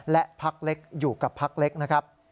และพักเล็กอยู่กับพักเล็กนะครับ